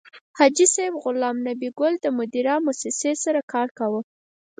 حاجي صیب غلام نبي ګل د مدیرا موسسې سره کار کاوه.